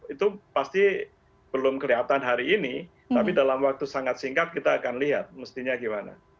itu pasti belum kelihatan hari ini tapi dalam waktu sangat singkat kita akan lihat mestinya gimana